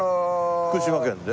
福島県で？